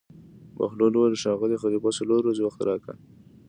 بهلول وویل: ښاغلی خلیفه څلور ورځې وخت راکړه.